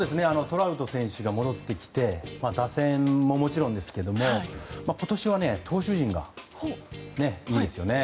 トラウト選手が戻ってきて打線ももちろんですけど今年は投手陣がいいですよね。